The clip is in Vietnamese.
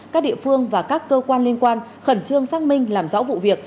các địa phương và các cơ quan liên quan khẩn trương xác minh làm rõ vụ việc